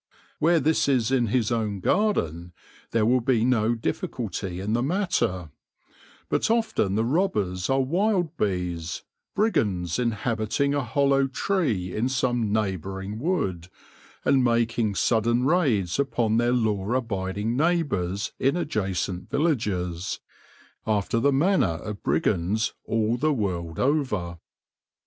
Where this is in his own garden, there will be no difficulty in the matter ; but often the robbers are wild bees, brigands inhabiting a hollow tree in some neighbour ing wood, and making sudden raids upon their law abiding neighbours in adjacent villages, after the manner of brigands all the world over.